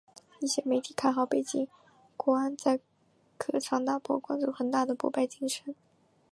一些媒体看好北京国安在客场打破广州恒大的不败金身。